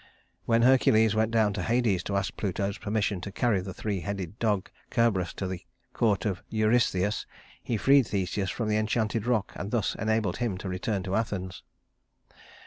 When Hercules went down to Hades to ask Pluto's permission to carry the three headed dog Cerberus to the court of Eurystheus, he freed Theseus from the enchanted rock and thus enabled him to return to Athens.